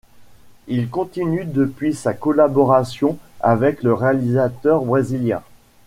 Il continue depuis sa collaboration avec le réalisateur brésilien.